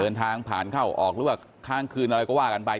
เดินทางผ่านเข้าออกหรือว่าค้างคืนอะไรก็ว่ากันไป